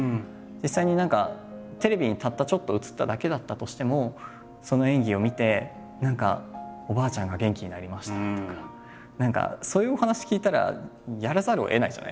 実際に何かテレビにたったちょっと映っただけだったとしてもその演技を見て何かおばあちゃんが元気になりましたとか何かそういうお話聞いたらやらざるをえないじゃないですか。